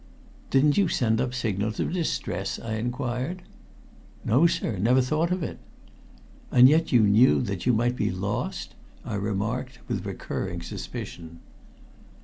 "Didn't you send up signals of distress?" I Inquired. "No, sir never thought of it." "And yet you knew that you might be lost?" I remarked with recurring suspicion.